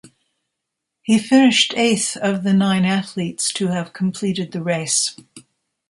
He finished eighth of the nine athletes to have completed the race.